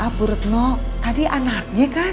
bu retno tadi anaknya kan